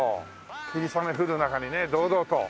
霧雨降る中にね堂々と。